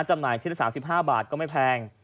จำหน่ายชิ้นละ๓๕บาทก็ไม่แพง